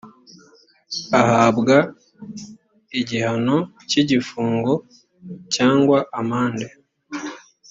ahabwa igihano cy igifungo cyangwa amande